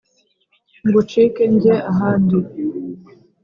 ngucike njye ahandi